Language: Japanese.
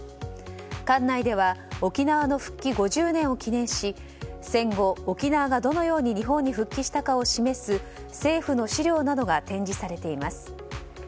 館内では沖縄の復帰５０年を記念し戦後、沖縄がどのように日本に復帰したかを示す政府の資料などが展示されています。